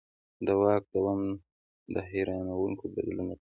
د واک دوام دا حیرانوونکی بدلون راوستی.